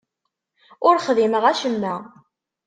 Ur xdimeɣ acemma.